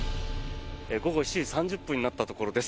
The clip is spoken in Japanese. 午後７時３０分になったところです。